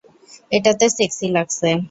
এটাতে সেক্সি লাগছে।